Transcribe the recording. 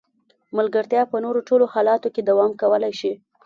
ملګرتیا په نورو ټولو حالتونو کې دوام کولای شي.